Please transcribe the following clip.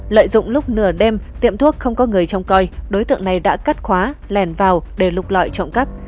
lợi dụng lúc nửa đêm tiệm thuốc không có người trông coi đối tượng này đã cắt khóa lèn vào để lục lọi trộm cắp